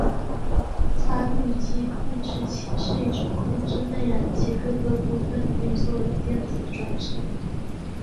发动机控制器是一种控制内燃机各个部分运作的电子装置。